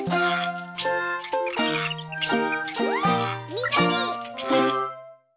みどり！